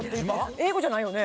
英語じゃないよね？